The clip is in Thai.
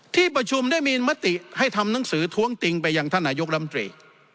ที่ประชุมได้มีมติให้ทำหนังสือท้วงติงไปยังท่านนายกรัมตรี